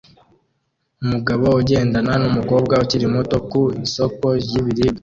Umugabo ugendana numukobwa ukiri muto ku isoko ryibiribwa